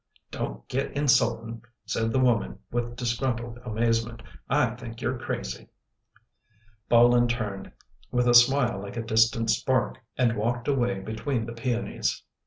Don't get insultin', " said the woman with dis gruntled amazement. " I think you're crazy." Bolin turned, with a smile like a distant spark, and walked away between the peonies.